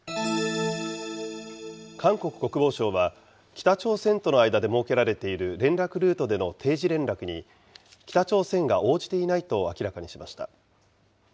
韓国国防省は、北朝鮮との間で設けられている連絡ルートでの定時連絡に、北朝鮮が応じていないと明らかにしました。